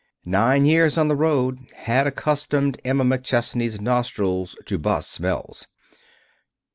Nine years on the road had accustomed Emma McChesney's nostrils to 'bus smells.